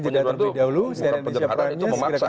jelaskan lebih dahulu saya nanti siapkan